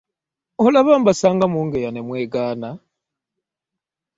Olaba mbasanga mungeya ne mwegaana!